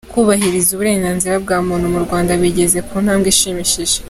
Kubahiriza uburenganzira bwa muntu mu Rwanda bigeze ku ntambwe ishimishije